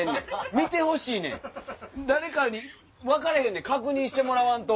見てほしいねん誰かに分からへん確認してもらわんと。